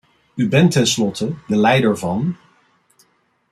U bent tenslotte de leider van .